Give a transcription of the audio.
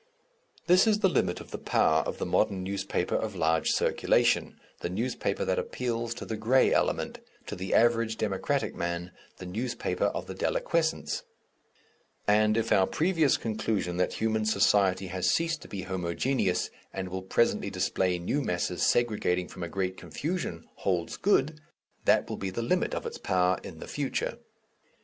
This is the limit of the power of the modern newspaper of large circulation, the newspaper that appeals to the grey element, to the average democratic man, the newspaper of the deliquescence, and if our previous conclusion that human society has ceased to be homogeneous and will presently display new masses segregating from a great confusion, holds good, that will be the limit of its power in the future.